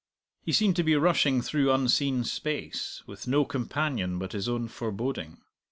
He seemed to be rushing through unseen space, with no companion but his own foreboding.